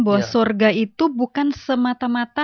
bahwa surga itu bukan semata mata